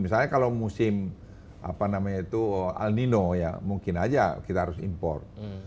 misalnya kalau musim apa namanya itu el nino ya mungkin aja kita harus impor